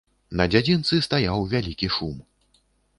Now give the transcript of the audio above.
На дзядзінцы стаяў вялікі шум.